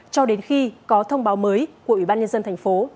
cho đến khi có thông báo mới của ủy ban nhân dân tp